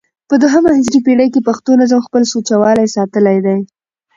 په دوهمه هجري پېړۍ کښي پښتو نظم خپل سوچه والى ساتلى دئ.